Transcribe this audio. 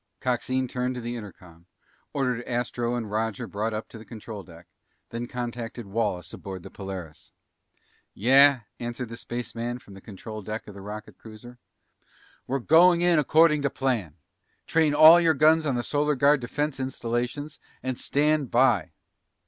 Coxine turned to the intercom, ordered Astro and Roger brought up to the control deck, and then contacted Wallace aboard the Polaris. "Yeah?" answered the spaceman from the control deck of the rocket cruiser. "We're going in according to plan! Train all your guns on the Solar Guard defense installations and stand by!"